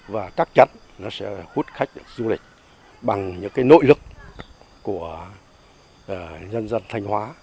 và chắc chắn nó sẽ hút khách du lịch bằng những nội lực của dân dân thanh hóa